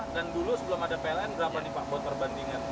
dan dulu sebelum ada pln berapa nih pak buat perbandingan